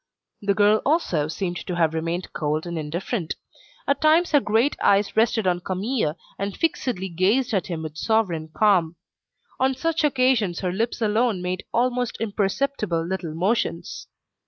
The girl also seemed to have remained cold and indifferent. At times her great eyes rested on Camille and fixedly gazed at him with sovereign calm. On such occasions her lips alone made almost imperceptible little motions.